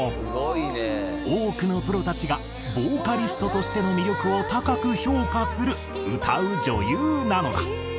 多くのプロたちがボーカリストとしての魅力を高く評価する歌う女優なのだ。